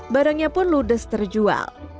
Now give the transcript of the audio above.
barangnya pun ludes terjual